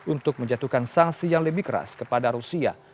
untuk menjatuhkan sanksi yang lebih keras kepada rusia